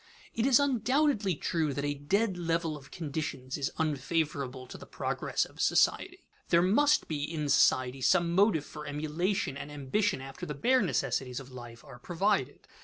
_ It is undoubtedly true that a dead level of conditions is unfavorable to the progress of society. There must be in society some motive for emulation and ambition after the bare necessities of life are provided.